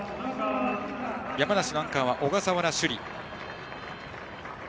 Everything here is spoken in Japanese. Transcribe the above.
山梨のアンカーは小笠原朱里。